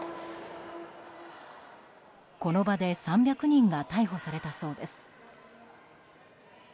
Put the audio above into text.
この場で３００人が逮捕されたそうです。